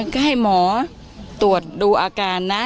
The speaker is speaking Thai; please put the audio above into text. ก็ให้หมอตรวจดูอาการนะ